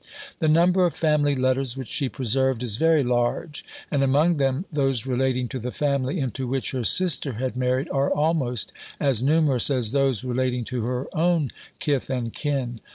The number of family letters which she preserved is very large; and among them those relating to the family into which her sister had married are almost as numerous as those relating to her own kith and kin.